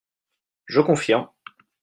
Je confirme